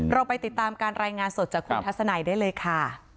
เราไปติดตามการรายงานสดจากคุณทัศนัยได้เลยค่ะ